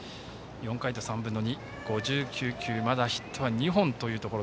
４回と３分の２、５９球でまだヒットは２本です。